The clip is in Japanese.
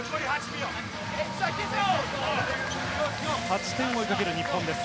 ８点を追いかける日本です。